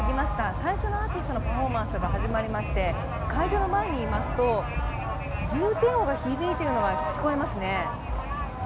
最初のアーティストのパフォーマンスが始まりまして会場の前にいますと、重低音が響いているのが聞こえますね。